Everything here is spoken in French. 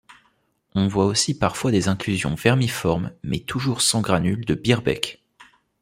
On voit aussi parfois des inclusions vermiformes, mais toujours sans granules de Birbeck.